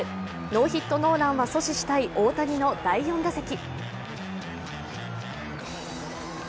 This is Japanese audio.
ノーヒットノーランは阻止したい大谷の第４打席。